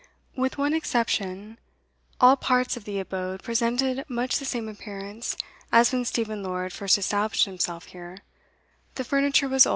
With one exception, all parts of the abode presented much the same appearance as when Stephen Lord first established himself antiquated, and in primitive taste.